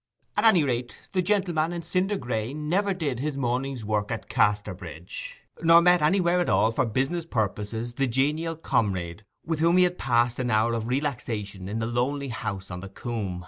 At any rate, the gentleman in cinder gray never did his morning's work at Casterbridge, nor met anywhere at all, for business purposes, the genial comrade with whom he had passed an hour of relaxation in the lonely house on the coomb.